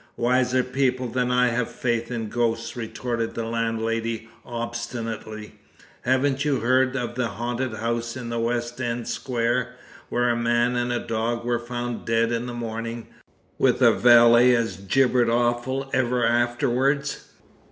"Wiser people than I have faith in ghosts," retorted the landlady obstinately. "Haven't you heard of the haunted house in a West End square, where a man and a dog were found dead in the morning, with a valet as gibbered awful ever afterwards?"